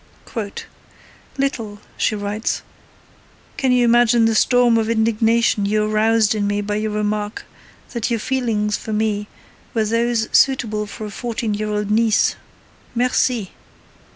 Little (she writes) can you imagine the storm of indignation you aroused in me by your remark that your feelings for me were those suitable for a fourteen year old niece. Merci.